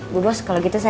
bu doss kalau gitu ya